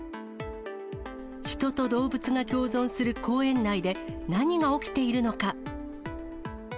人と動物が共存する公園内で、何が起きているのか。